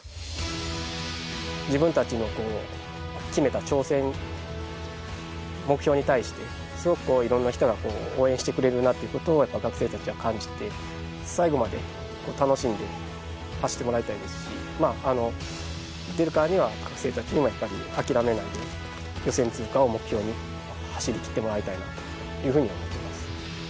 自分たちの決めた挑戦、目標に対してすごくいろんな人が応援してくれるなっていうことをやっぱ学生たちは感じて、最後まで楽しんで走ってもらいたいですし、出るからには、学生たちにもやっぱり諦めないで、予選通過を目標に走りきってもらいたいなというふうに思ってます。